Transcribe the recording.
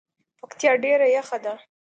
پکتیا ډیره یخه ده